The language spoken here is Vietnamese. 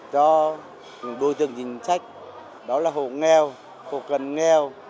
cho những đối tượng chính sách đó là hồ nghèo hồ cần nghèo